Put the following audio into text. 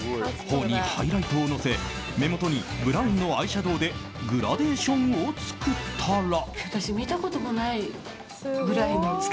頬にハイライトをのせ目元にブラウンのアイシャドウでグラデーションを作ったら。